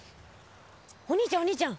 お兄ちゃんお兄ちゃん。